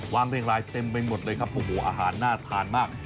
เรียงรายเต็มไปหมดเลยครับโอ้โหอาหารน่าทานมาก